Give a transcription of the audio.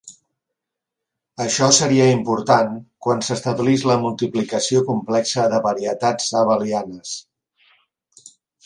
Això seria important quan s'establís la multiplicació complexa de varietats abelianes.